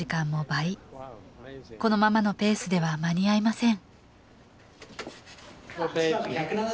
このままのペースでは間に合いません